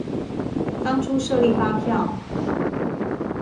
當初設立發票